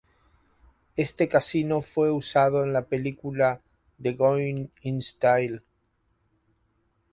Este casino fue usado en la película de "Going in Style".